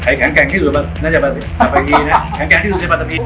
ใครแข็งแกร่งที่สุดในปัจจับปี